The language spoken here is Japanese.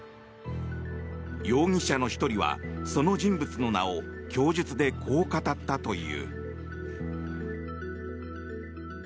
容疑者の１人はその人物の名を供述でこう語ったという。